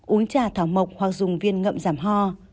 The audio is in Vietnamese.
uống trà thảo mộc hoặc dùng viên ngậm giảm ho